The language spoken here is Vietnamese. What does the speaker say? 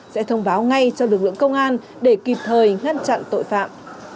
sẽ thông báo ngay cho lực lượng công an để kịp thời ngăn chặn tội phạm